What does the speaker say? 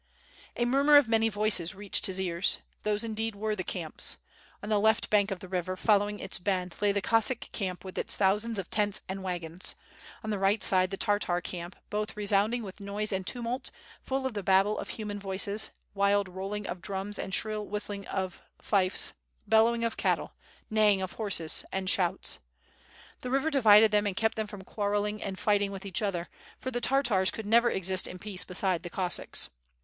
A murmur of many voices reached his ears. Those indeed were the camps. On the left bank of the river, following WITH FIRE AND SWORD, 785 its bend, lay the Cossack camp with its thousands of lents and wagons — on the right side the Tartar camp — both re sounding with noise and tumult, full of the babel of human voices, wild rolling of drums and shrill whistling of Hfes, bellowing of cattle, neighing of horses, and shouts. The river divided them and kept them from quarreling and fight ing with each other, for the Tartars could never exist in peace beside the Cossacks.